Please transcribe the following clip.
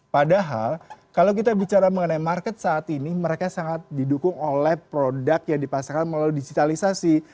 padahal kalau kita bicara mengenai market saat ini mereka sangat didukung oleh produk yang dipasarkan melalui digitalisasi